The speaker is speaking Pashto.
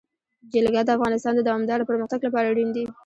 جلګه د افغانستان د دوامداره پرمختګ لپاره اړین دي.